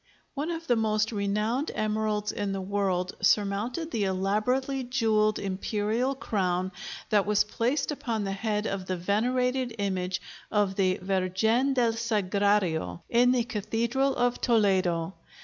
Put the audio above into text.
One of the most renowned emeralds in the world surmounted the elaborately jewelled imperial crown that was placed upon the head of the venerated image of the Virgen del Sagrario in the Cathedral of Toledo.